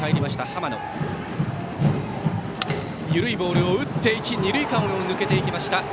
浜野、緩いボールを打って一、二塁間を抜けました。